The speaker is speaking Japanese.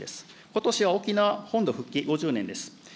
ことしは沖縄本土復帰５０年です。